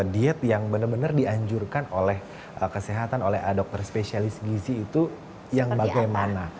diet yang benar benar dianjurkan oleh kesehatan oleh dokter spesialis gizi itu yang bagaimana